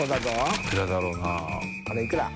いくらだろうな。